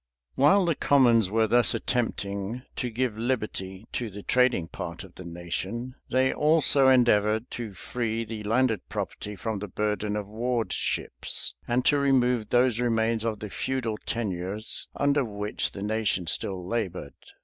While the commons were thus attempting to give liberty to the trading part of the nation, they also endeavored to free the landed property from the burden of wardships,[] and to remove those remains of the feudal tenures under which the nation still labored.